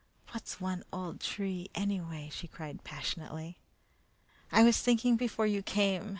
What's one old tree, anyway?" she cried passionately. "I was thinking before you came.